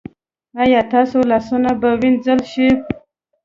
ایا ستاسو لاسونه به وینځل شي؟